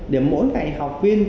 để mỗi ngày học viên